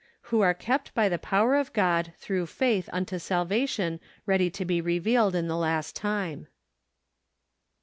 TT7«o are kept by the power of God through faith unto salvation ready to be revealed in the last time."